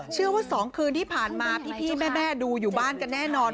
ว่า๒คืนที่ผ่านมาพี่แม่ดูอยู่บ้านกันแน่นอน